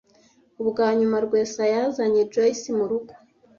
Ubwa nyuma Rwesa yazanye Joyce murugo,